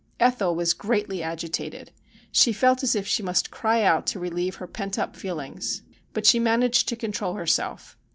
Ethel was greatly agitated. She felt as if she must cry out to relieve her pent up feelings, but she managed to con trol herself.